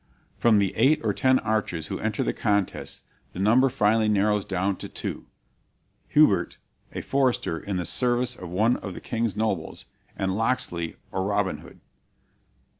From the eight or ten archers who enter the contest, the number finally narrows down to two, Hubert, a forester in the service of one of the king's nobles, and Locksley or Robin Hood.